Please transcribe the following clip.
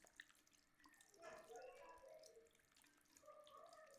کچالو هم د ځمکې لاندې حاصل ورکوي